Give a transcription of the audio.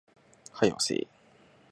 早よせえ